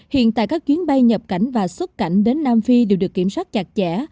hiện tại các chuyến bay nhập cảnh và xuất cảnh đến nam phi đều được kiểm soát chặt chẽ